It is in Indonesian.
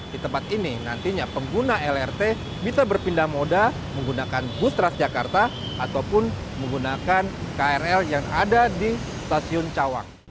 di tempat ini nantinya pengguna lrt bisa berpindah moda menggunakan bus transjakarta ataupun menggunakan krl yang ada di stasiun cawang